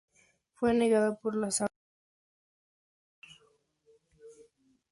Fue anegada por las aguas del Pantano de Aguilar.